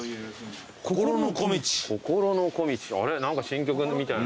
何か新曲みたいな。